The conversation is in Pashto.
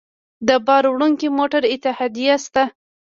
د بار وړونکو موټرو اتحادیې شته